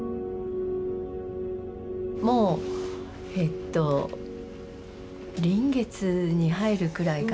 もうえっと臨月に入るくらいかな。